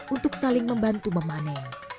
untuk saling membantu memanen